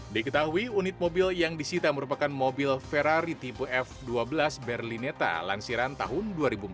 diketahui unit mobil yang disita merupakan mobil ferrari tipe f dua belas berlineta lansiran tahun dua ribu empat belas